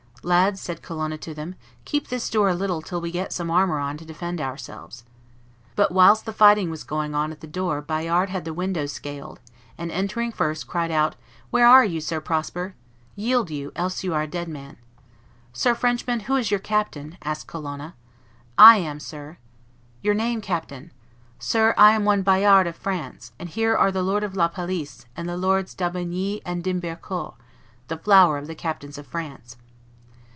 "Lads," said Colonna to them, "keep this door a little till we get some armor on to defend ourselves." But whilst the fight was going on at the door Bayard had the windows scaled, and, entering first, cried out, "Where are you, Sir Prosper? Yield you; else you are a dead man." "Sir Frenchman, who is your captain?" asked Colonna. "I am, sir." "Your name, captain?" "Sir, I am one Bayard of France, and here are the Lord of La Palice, and the Lords d'Aubigny and d'Himbercourt, the flower of the captains of France."